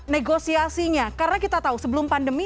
negosiasinya karena kita tahu sebelum pandemi